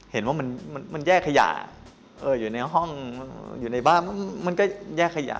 เห็นว่ามันแยกขยะอยู่ในห้องอยู่ในบ้านมันก็แยกขยะ